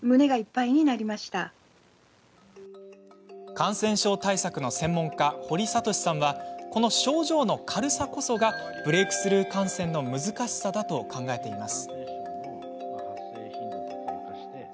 感染症対策の専門家、堀賢さんはこの症状の軽さこそがブレークスルー感染の難しさだと考えています。